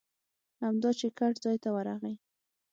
همدا چې ګټ ځای ته ورغی.